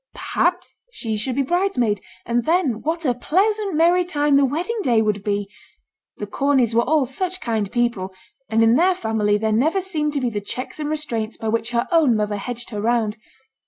Perhaps she should be bridesmaid, and then what a pleasant merry time the wedding day would be! The Corneys were all such kind people, and in their family there never seemed to be the checks and restraints by which her own mother hedged her round.